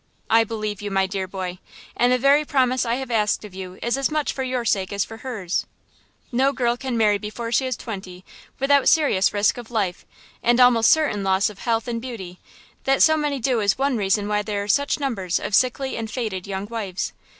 "I believe you, my dear boy. And the very promise I have asked of you is as much for your sake as for hers. No girl can marry before she is twenty without serious risk of life, and almost certain loss of health and beauty; that so many do so is one reason why there are such numbers of sickly and faded young wives.